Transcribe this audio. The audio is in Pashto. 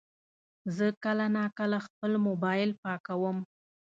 زه کله ناکله خپل موبایل پاکوم.